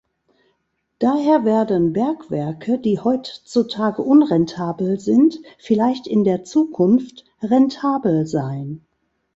Daher werden Bergwerke, die heutzutage unrentabel sind, vielleicht in der Zukunft rentabel sein.